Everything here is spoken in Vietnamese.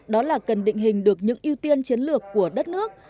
đó là cần định hình được những ưu tiên chiến lược của đất nước